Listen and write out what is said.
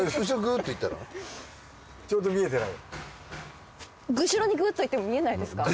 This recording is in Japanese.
ちょうど見えてない。